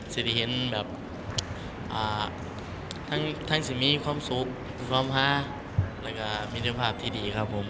จะได้เห็นแบบทั้งสิ่งมีความสุขความหาแล้วก็มิตรภาพที่ดีครับผม